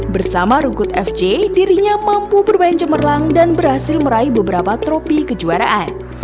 bersama rungkut fj dirinya mampu bermain cemerlang dan berhasil meraih beberapa tropi kejuaraan